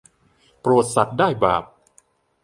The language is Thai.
โปรดสัตว์ได้บาป